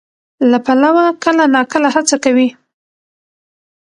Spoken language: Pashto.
له پلوه کله ناکله هڅه کوي،